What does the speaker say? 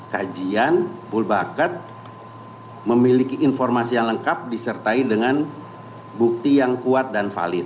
kajian bull backet memiliki informasi yang lengkap disertai dengan bukti yang kuat dan valid